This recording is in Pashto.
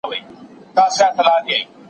زه بايد قلم استعمالوم کړم!.